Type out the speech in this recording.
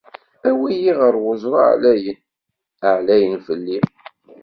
Awi-yi ɣer uẓru ɛlayen, ɛlayen fell-i!